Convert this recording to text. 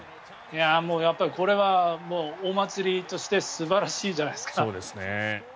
これはお祭りとして素晴らしいじゃないですか。